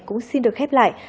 cũng xin được khép lại